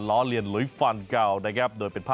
ล้อเลียนหลุยฟันเก่านะครับ